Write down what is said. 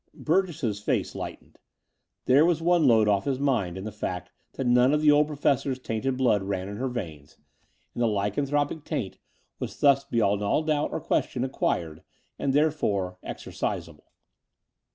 Burgess's face lightened. There was one load ofif his mind in the fact that none of the old Pro fesspr's tainted blood ran in her veins, and the 302 The Door of the Unreal lycanthropic taint was thtis beyond all doubt or question acquired and, therefore, exorcisable.